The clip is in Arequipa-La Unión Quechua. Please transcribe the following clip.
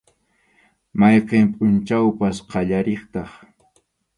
Mayqin pʼunchawpas qallariqtaq.